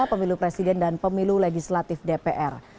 pemilu presiden dan pemilu legislatif dpr